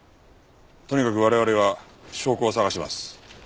とにかく我々は証拠を捜します。